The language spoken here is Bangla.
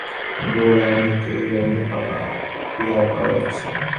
বর্তমানে অ্যাপলের আইওএস এবং গুগলের অ্যান্ড্রয়েড-চালিত যন্ত্রে পাপা পিয়ার পাওয়া যাচ্ছে।